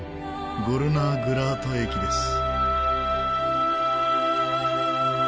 ゴルナーグラート駅です。